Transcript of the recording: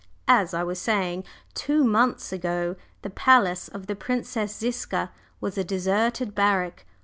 As I was saying, two months ago the palace of the Princess Ziska was a deserted barrack.